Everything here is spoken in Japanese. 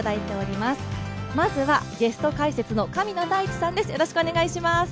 まずはゲスト解説の神野大地さんです。